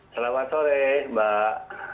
selamat sore mbak